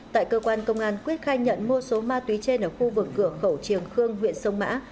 tại cơ quan công an quyết khai nhận mua số ma túy trên ở khu vực cửa khẩu triềng khương huyện sông mã